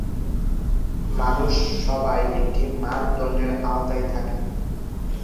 মানুষ সবাই একটি মানদণ্ডের আওতায় থাকে।